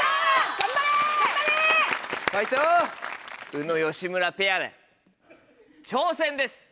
宇野吉村ペアで挑戦です。